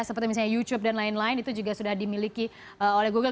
seperti misalnya youtube dan lain lain itu juga sudah dimiliki oleh google